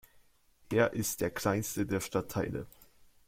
Er ist der kleinste der Stadtteile.